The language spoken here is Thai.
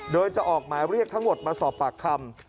โดยจะออกหมายเรียกทั้งหมดมาสอบปากคำ